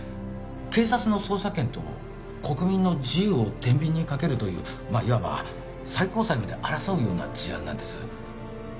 警察の捜査権と国民の自由を天秤にかけるというまあいわば最高裁まで争うような事案なんです